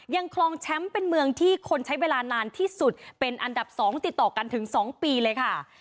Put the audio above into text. คลองแชมป์เป็นเมืองที่คนใช้เวลานานที่สุดเป็นอันดับ๒ติดต่อกันถึง๒ปีเลยค่ะ